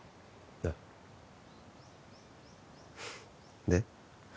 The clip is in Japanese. ああで？